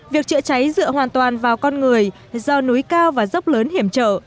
việc chữa cháy dựa hoàn toàn vào con người do núi cao và dốc lớn hiểm trở